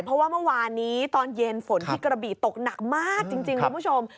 เพราะว่าเมื่อวานนี้ตอนเย็นฝนที่กระบีตกหนักมากจริงคุณผู้ชม